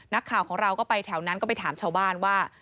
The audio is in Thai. นักข่าวของเราก็ไปแถวนั้นก็ไปถามชาวบ้านว่า